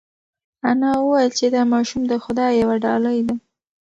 انا وویل چې دا ماشوم د خدای یوه ډالۍ ده.